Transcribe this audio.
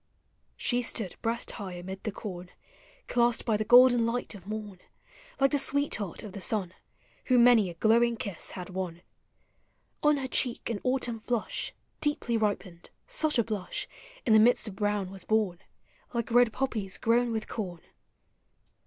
Smo stood breast high amid the corn, Clasped by the golden light of morn, lake the sweetheart of the sun, Who many a glowing kiss had won. On her cheek an autumn Hush Deeply ripened; — such a blush In the midst of brown was born. Like red poppies grown with corn.